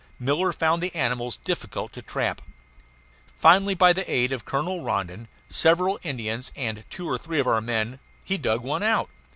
Miller found the animals difficult to trap. Finally, by the aid of Colonel Rondon, several Indians, and two or three of our men, he dug one out.